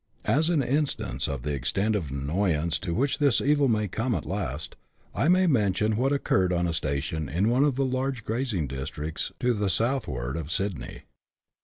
As an instance of the extent of annoyance to which this evil may come at last, I may mention wliat occurred on a station in one of the large grazing districts to the southward of Sydney.